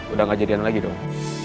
udah gak jadian lagi dong